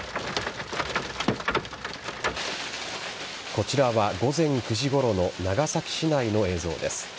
こちらは午前９時ごろの長崎市内の映像です。